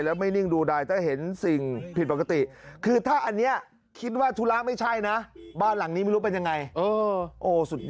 ส่วนผ่านมาตัวผู้ชายยังสงสัยเลย